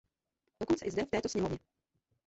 Dokonce i zde v této sněmovně.